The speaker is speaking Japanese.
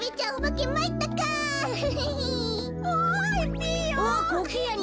ピーヨン。